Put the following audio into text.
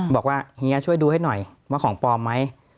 เฮียช่วยดูให้หน่อยว่าของปลอมไหม